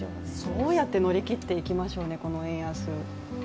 どうやって乗り切っていきましょうね、この円安。